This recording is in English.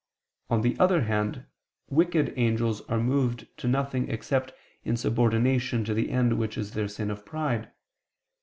On the other hand, wicked angels are moved to nothing except in subordination to the end which is their sin of pride.